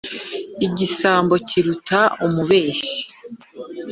Igisambo kiruta umubeshyi,